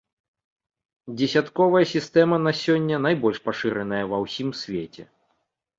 Дзесятковая сістэма на сёння найбольш пашыраная ва ўсім свеце.